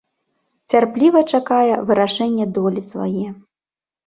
Цярпліва чакае вырашэння долі свае.